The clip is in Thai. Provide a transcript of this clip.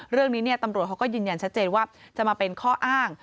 เรื่องนี้ตำรวจเขาก็ยืนยันชัดเจนว่าจะมาเป็นข้ออ้าง